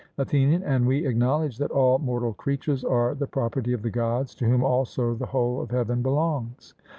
ATHENIAN: And we acknowledge that all mortal creatures are the property of the Gods, to whom also the whole of heaven belongs?